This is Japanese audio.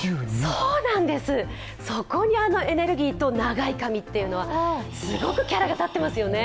そこにあのエネルギーと長い髪っていうのはすごくキャラが立ってますよね。